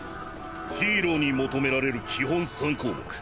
ヒーローに求められる基本三項目。